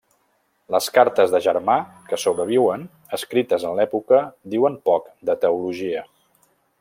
Les cartes de Germà que sobreviuen, escrites en l'època, diuen poc de teologia.